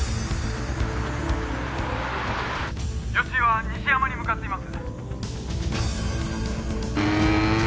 「吉井は西山に向かっています」